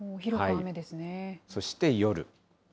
そして夜。